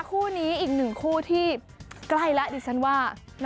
คู่นี้อีกหนึ่งคู่ที่ใกล้แล้วดิฉันว่า